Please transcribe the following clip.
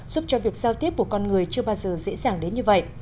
giúp cho việc giao tiếp của con người chưa bao giờ dễ dàng đến như vậy